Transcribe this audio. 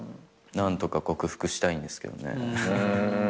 何とか克服したいんですけどね。